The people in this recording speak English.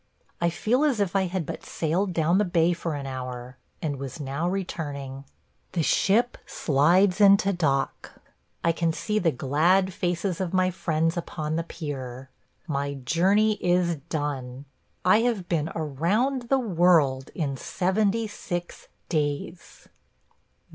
I feel as if I had but sailed down the bay for an hour, and was now returning. ... The ship slides into dock. I can see the glad faces of my friends upon the pier. My journey is done. I have been around the world in seventy six days.